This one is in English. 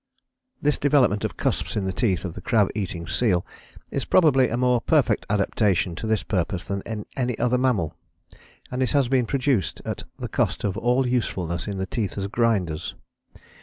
This development of cusps in the teeth of the [crab eating seal] is probably a more perfect adaptation to this purpose than in any other mammal, and has been produced at the cost of all usefulness in the teeth as grinders.